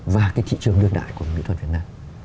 và cái thị trường đương đại của mỹ thuật việt nam